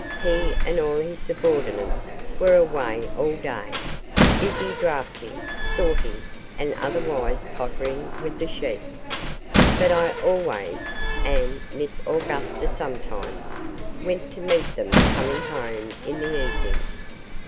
He and all his subordinates were away all day, busy drafting, sorting, and otherwise pottering with sheep. But I always, and Miss Augusta sometimes, went to meet them coming home in the evening.